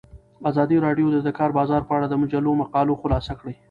ازادي راډیو د د کار بازار په اړه د مجلو مقالو خلاصه کړې.